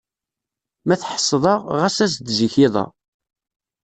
Ma tḥesseḍ-aɣ, ɣas as-d zik iḍ-a.